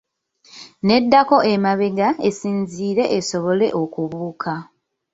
Neddako emabega esinzire esobole okubuuka.